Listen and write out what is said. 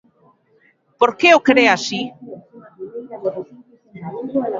Por que o cre así?